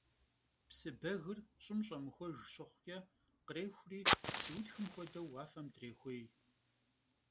Псы бэгыр щӀым щӀэмыхуэж щыхъукӀэ, кърехури, псыутхым хуэдэу уафэм дрехуей.